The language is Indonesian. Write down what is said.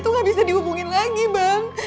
tuh gak bisa dihubungin lagi bang